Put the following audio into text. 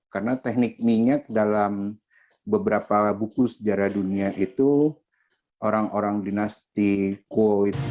karena teknik minyak dalam beberapa buku sejarah dunia itu orang orang dinasti kuo